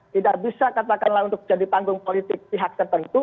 tidak bisa katakanlah untuk jadi panggung politik pihak tertentu